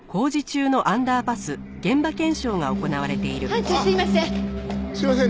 班長すいません。